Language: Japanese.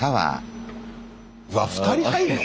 わっ２人入んの？